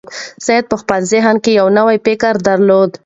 سعید په خپل ذهن کې یو نوی فکر درلود.